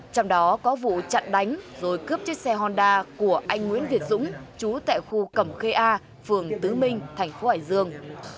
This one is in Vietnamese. trong đó có vụ chặn đánh rồi cướp chiếc xe honda của anh nguyễn việt dũng chú tại khu cẩm khê a phường tứ minh thành phố hải dương